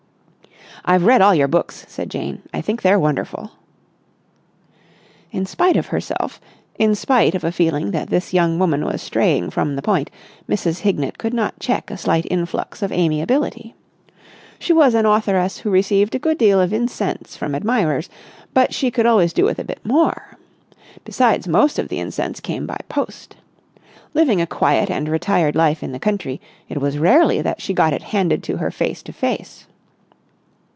"I've read all your books," said Jane. "I think they're wonderful." In spite of herself, in spite of a feeling that this young woman was straying from the point, Mrs. Hignett could not check a slight influx of amiability. She was an authoress who received a good deal of incense from admirers, but she could always do with a bit more. Besides, most of the incense came by post. Living a quiet and retired life in the country, it was rarely that she got it handed to her face to face.